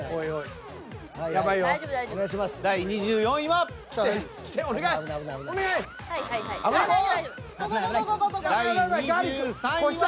第２３位は。